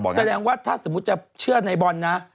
แสดงว่าถ้าสมมุติจะเชื่อในบอลนะ